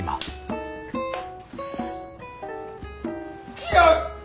違う！